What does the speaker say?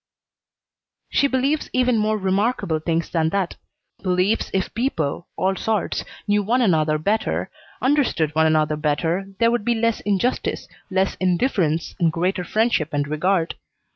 "She believes even more remarkable things than that. Believes if people, all sorts, knew one another better, understood one another better, there would be less injustice, less indifference, and greater friendship and regard.